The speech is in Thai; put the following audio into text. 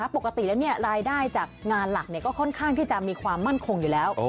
ปกติแล้วรายได้จากงานหลักก็ค่อนข้างที่จะมีความมั่นคงอยู่แล้ว